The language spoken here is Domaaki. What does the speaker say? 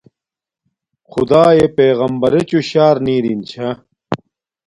خدݳئݺ پݵغمبَرݵچُݸ شݳر نݵ رِن چھݳ.